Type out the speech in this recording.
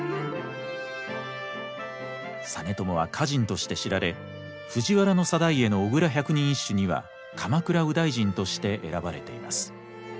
実朝は歌人として知られ藤原定家の「小倉百人一首」には鎌倉右大臣として選ばれています。